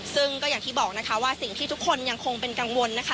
ซึ่งก็อย่างที่บอกนะคะว่าสิ่งที่ทุกคนยังคงเป็นกังวลนะคะ